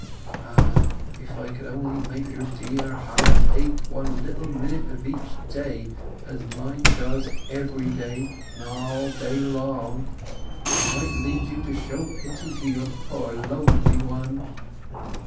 Ah, if I could only make your dear heart ache one little minute of each day as mine does every day and all day long, it might lead you to show pity to your poor lonely one....